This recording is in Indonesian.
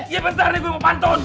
iya bentar nih gue mau pantun